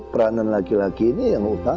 peranan laki laki ini yang utama